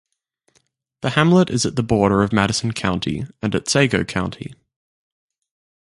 The hamlet is at the border of Madison County and Otsego County.